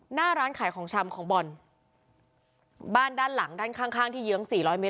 หน้าร้านขายของชำของบอลบ้านด้านหลังด้านข้างข้างที่เยื้องสี่ร้อยเมต